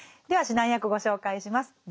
では指南役ご紹介します。